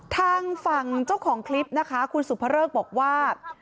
ทางฝั่งเจ้าของคลิปนะคะคุณสุภเริกบอกว่า